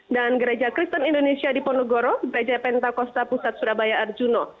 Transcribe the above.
dan gereja kristen indonesia di pondogoro gereja penta costa pusat surabaya arjuna